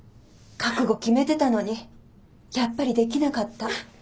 覚悟決めてたのにやっぱりできなかった。